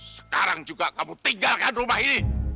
sekarang juga kamu tinggalkan rumah ini